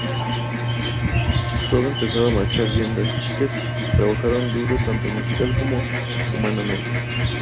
Todo empezaba a marchar bien, las chicas trabajaron duro tanto musical como humanamente.